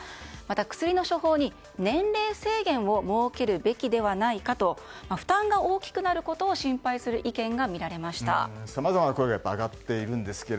薬の処方に年齢制限を設けるべきではないかと負担が大きくなることを心配されるさまざまな声が上がっています。